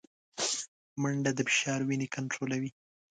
منډه د فشار وینې کنټرولوي